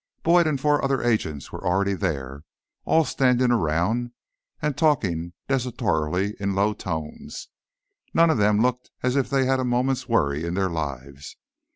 Boyd and four other agents were already there, all standing around and talking desultorily in low tones. None of them looked as if they had a moment's worry in their lives.